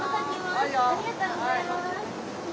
ありがとうございます。